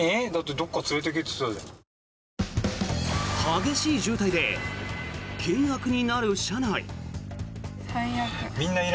激しい渋滞で険悪になる車内。